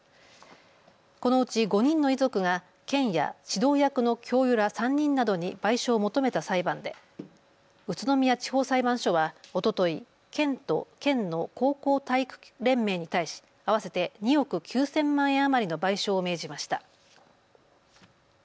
このうち５人の遺族が県や指導役の教諭ら３人などに賠償を求めた裁判で宇都宮地方裁判所はおととい県と県の高校体育連盟に対し合わせて２億９０００万円余りの賠償を命じました。